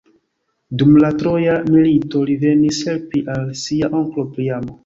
Dum la Troja milito li venis helpi al sia onklo Priamo.